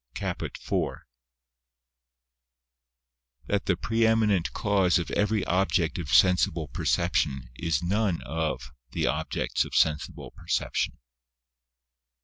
CAPUT IV. That the pre eminent Cause of every abject of sensible perception is none of the objects of sensible perception.